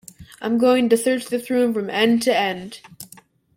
I'm going to search this room from end to end.